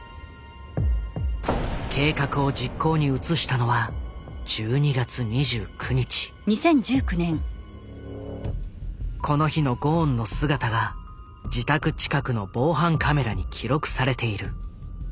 計画を実行に移したのはこの日のゴーンの姿が自宅近くの防犯カメラに記録されている。